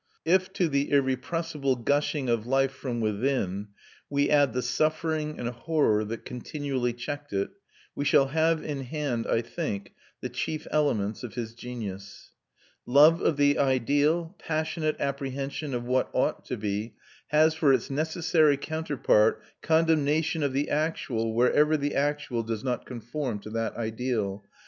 If to the irrepressible gushing of life from within we add the suffering and horror that continually checked it, we shall have in hand, I think, the chief elements of his genius. Love of the ideal, passionate apprehension of what ought to be, has for its necessary counterpart condemnation of the actual, wherever the actual does not conform to that ideal.